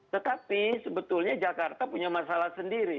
tetapi sebetulnya jakarta punya masalah sendiri